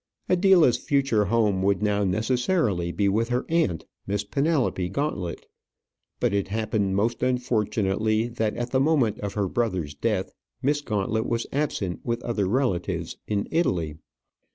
Adela's future home would now necessarily be with her aunt, Miss Penelope Gauntlet; but it happened most unfortunately that at the moment of her brother's death, Miss Gauntlet was absent with other relatives in Italy.